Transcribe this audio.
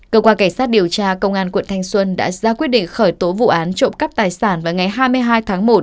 cơ quan cảnh sát điều tra công an quận thanh xuân đã ra quyết định khởi tố vụ án trộm cắp tài sản vào ngày hai mươi hai tháng một